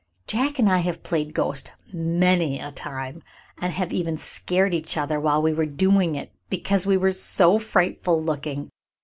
Jack and I have played ghost many a time, and have even scared each other while we were doing it, because we were so frightful looking.